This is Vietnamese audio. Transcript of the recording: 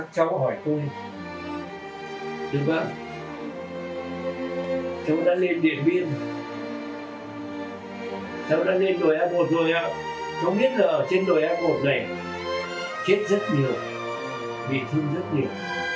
cháu đã lên đội a một rồi ạ cháu biết là ở trên đội a một này chết rất nhiều bị thương rất nhiều